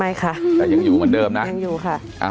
ไม่ค่ะยังอยู่อยู่ค่ะ